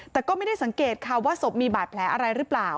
แต่ก็ไม่ได้สังเกตค่ะว่าศพมีบาดแผลอะไรหรือเปล่า